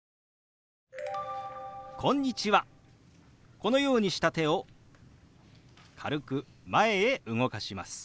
このようにした手を軽く前へ動かします。